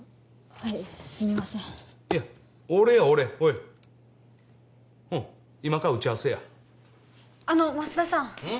はいすみませんいや俺や俺おい今から打ち合わせやあの舛田さんうん？